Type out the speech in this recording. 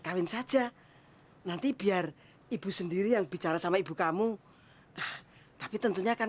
kawin saja nanti biar ibu sendiri yang bicara sama ibu kamu tapi tentunya akan